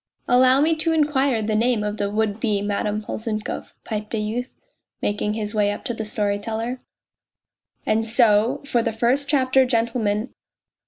" Allow me to inquire the name of the would be Madame Polzunkov," piped a youth, making his way up to the storyteller. " And so for the first chapter, gentlemen.